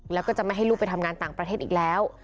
แล้วก็จะไม่ให้ลูกไปทำงานต่างประเทศอีกแล้ว